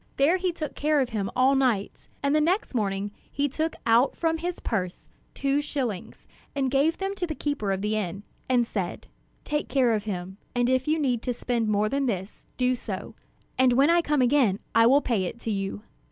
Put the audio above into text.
There he took care of him all night; and the next morning he took out from his purse two shillings, and gave them to the keeper of the inn, and said: 'Take care of him; and if you need to spend more than this, do so; and when I come again I will pay it to you.'"